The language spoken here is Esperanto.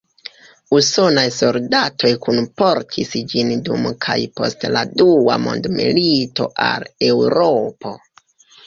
Usonaj soldatoj kunportis ĝin dum kaj post la Dua Mondmilito al Eŭropo.